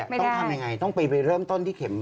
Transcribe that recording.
ไม่ได้ต้องทำอย่างไรต้องไปเริ่มต้นที่เข็ม